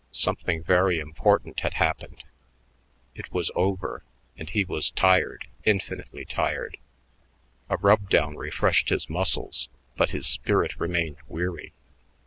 Something very important had happened. It was over, and he was tired, infinitely tired. A rub down refreshed his muscles, but his spirit remained weary.